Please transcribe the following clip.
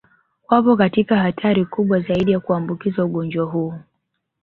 Wapo katika hatari kubwa zaidi ya kuambukizwa ugonjwa huu